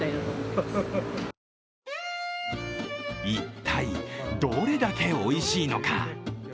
一体どれだけおいしいのか。